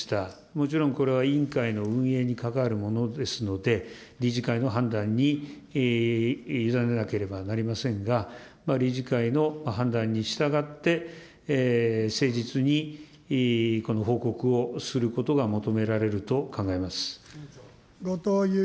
もちろんこれは委員会の運営に関わるものですので、理事会の判断に委ねなければなりませんが、理事会の判断に従って、誠実にこの報告をすることが求められると考えられます。